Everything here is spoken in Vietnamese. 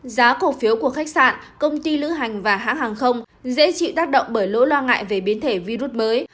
giá cổ phiếu của khách sạn công ty lữ hành và hãng hàng không dễ chịu tác động bởi lỗi lo ngại về biến thể virus mới